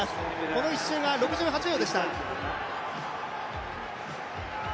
この１周が６８秒でした。